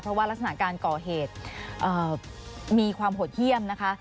เพราะว่ารักษณะการก่อเหตุมีความโหดเยี่ยมนะคะ